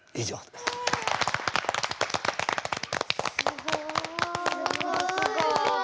すごい！